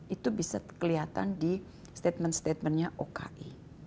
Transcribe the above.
itu bisa kelihatan di statement statementnya oki